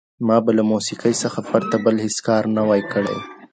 ما به له موسیقۍ څخه پرته بل هېڅ کار نه وای کړی.